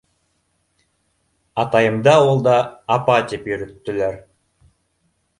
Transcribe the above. Атайымды ауылда "апа" тип йөрөттөләр.